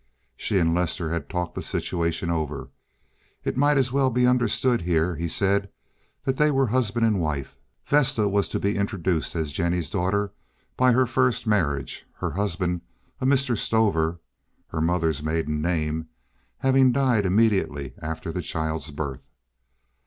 She and Lester had talked this situation over. It might as well be understood here, he said, that they were husband and wife. Vesta was to be introduced as Jennie's daughter by her first marriage, her husband, a Mr. Stover (her mother's maiden name), having died immediately after the child's birth.